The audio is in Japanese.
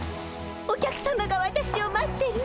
お客さまが私を待ってる。